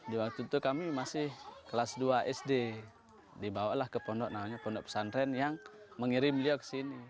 di waktu itu kami masih kelas dua sd dibawalah ke pondok namanya pondok pesantren yang mengirim beliau ke sini